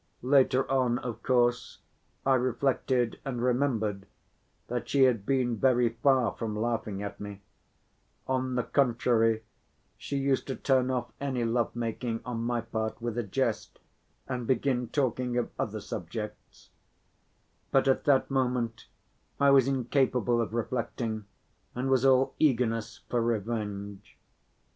Later on, of course, I reflected and remembered that she had been very far from laughing at me; on the contrary, she used to turn off any love‐making on my part with a jest and begin talking of other subjects; but at that moment I was incapable of reflecting and was all eagerness for revenge.